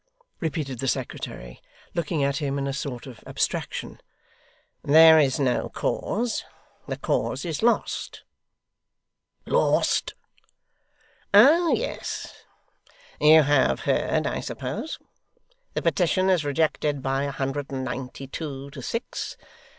repeated the secretary, looking at him in a sort of abstraction. 'There is no cause. The cause is lost.' 'Lost!' 'Oh yes. You have heard, I suppose? The petition is rejected by a hundred and ninety two, to six.